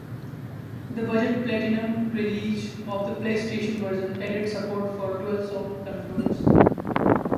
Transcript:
The budget Platinum re-release of the PlayStation version added support for DualShock controllers.